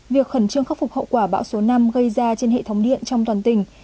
việc khẩn trương khắc phục hậu quả bão số năm gây ra trên hệ thống điện trong toàn tỉnh